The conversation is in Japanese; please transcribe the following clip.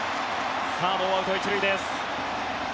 さあ、ノーアウト１塁です。